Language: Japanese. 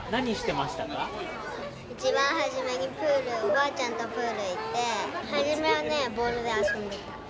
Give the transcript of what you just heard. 一番初めにプールおばあちゃんとプール行って初めはねボールで遊んでた。